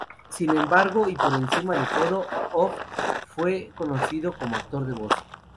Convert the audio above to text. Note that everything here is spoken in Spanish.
Sin embargo, y por encima de todo, Ott fue conocido como actor de voz.